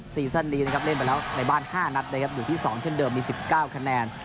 ซีซั่นนี้นะครับเล่นไปแล้วในบ้าน๕นัดนะครับอยู่ที่๒เช่นเดิมมี๑๙คะแนน